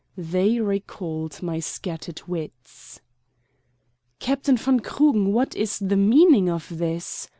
They recalled my scattered wits. "Captain von Krugen, what is the meaning of this?"